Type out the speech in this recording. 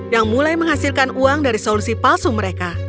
yang mulai menghasilkan uang dari solusi palsu mereka